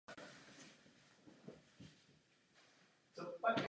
Východně od kostela se v areálu hřbitova nachází rovněž stylově odpovídající márnice.